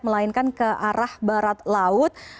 melainkan ke arah barat laut